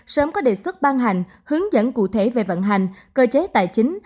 sớm có đề xuất ban hành hướng dẫn cụ thể về vận hành cơ chế tài chính